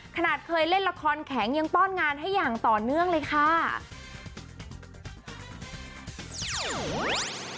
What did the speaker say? ขนาดเคยเล่นละครแข็งยังป้อนงานให้อย่างต่อเนื่องเลยค่ะ